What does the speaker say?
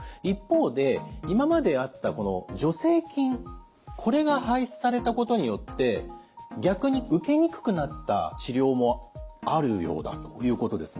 一方で今まであったこの助成金これが廃止されたことによって逆に受けにくくなった治療もあるようだということですね。